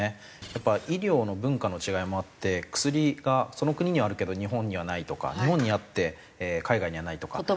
やっぱ医療の文化の違いもあって薬がその国にはあるけど日本にはないとか日本にあって海外にはないとか。